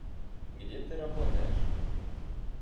Где ты работаешь?